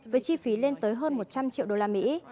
với chi phí lên tới hơn một trăm linh triệu đô la mỹ